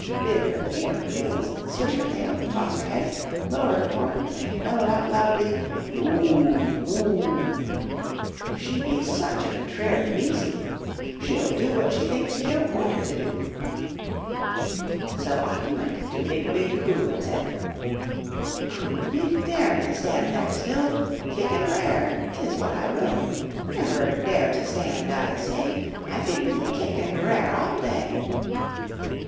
Bid her kick up her heels, swish her tail, toss her head, lower her horns, and bellow out loudly, 'Moo oo, Moo oo!' If she be such a contrairy beastie, she'll 239 MY BOOK HOUSE do what she thinks ye don't want her to do." So off he went to BIG, BIG COO and said: C00, ye darena' stand there still! Kick and rair — 'tis what I will! Never dare to stand, I say, I bid ye kick and rair all day!"